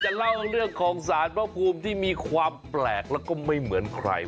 เล่าเรื่องของสารพระภูมิที่มีความแปลกแล้วก็ไม่เหมือนใคร